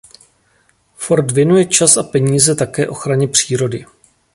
Ford věnuje čas a peníze také ochraně přírody.